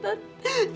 ya allah tante